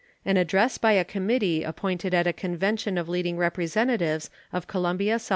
An address by a committee appointed at a convention of leading representatives of Columbia, S.C.